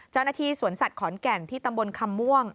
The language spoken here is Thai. เจ้าหน้าที่สวนสัตว์ขอนแก่นที่ตำบลคำม่วง